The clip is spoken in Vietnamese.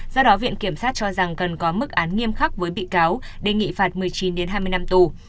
do đó viện kiểm sát cho rằng cần có mức án nghiêm khắc với bị cáo đề nghị phạt một mươi chín hai mươi năm tù